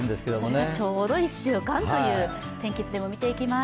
それがちょうど１週間という天気図でも見ていきます。